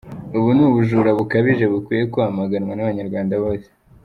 Ubu ni ubujura bukabije bukwiye kwamaganwa n’Abanyarwanda bose.